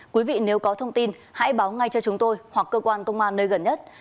quý vị nếu có thông tin hãy báo ngay cho chúng tôi hoặc cơ quan công an nơi gần nhất